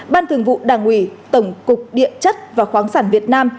ban thường vụ đảng ủy tổng cục địa chất và khoáng sản việt nam